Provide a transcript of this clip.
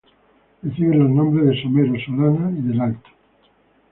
Reciben los nombres de Somero, Solana y del Alto.